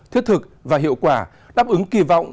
thiết thực và hiệu quả đáp ứng kỳ vọng